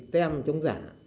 tem chống giả